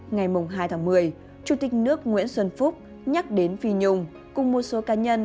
ngày hai tháng một mươi chủ tịch nước nguyễn xuân phúc nhắc đến phi nhung cùng một số cá nhân